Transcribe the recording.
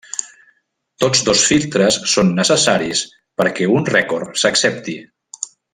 Tots dos filtres són necessaris perquè un rècord s'accepti.